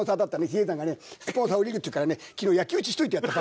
比叡山がねスポンサー降りるっていうからね昨日焼き討ちしておいてやった。